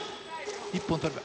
一本取れば。